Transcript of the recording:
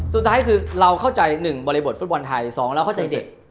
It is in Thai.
สุดท้ายคือเราเข้าใจ๑บริบทฟุตบอลไทย๒เราเข้าใจเด็ก